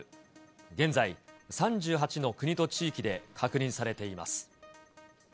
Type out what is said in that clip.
現在３８の国と地域で確認されています。